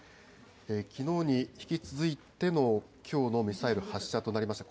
きのうに引き続いてのきょうのミサイル発射となりました。